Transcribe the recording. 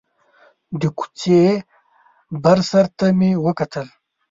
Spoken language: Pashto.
د کوڅې بر سر ته مې وکتل.